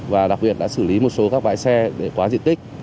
và đặc biệt đã xử lý một số các bãi xe để quá diện tích